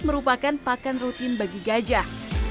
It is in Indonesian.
merupakan pakan rutin bagi gajah